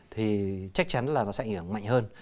thì chắc chắn là nó sẽ ảnh hưởng mạnh hơn